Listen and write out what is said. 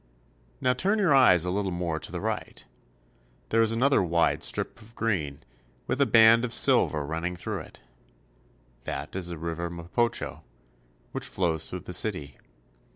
Now turn your eyes a little more to the right. There is another wide strip of green, with a band of silver run ning through it. That is the river Mapocho, which flows through the city.